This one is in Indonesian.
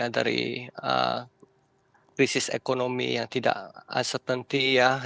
dari krisis ekonomi yang tidak asetenti